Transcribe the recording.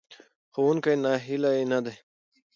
ښوونکی ناهیلی نه دی.